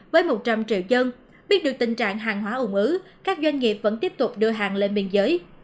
với một trăm linh triệu dân biết được tình trạng hàng hóa ủng ứ các doanh nghiệp vẫn tiếp tục đưa hàng lên biên giới